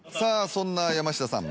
そんな山下さん